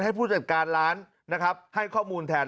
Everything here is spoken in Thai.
ผู้จัดการร้านนะครับให้ข้อมูลแทน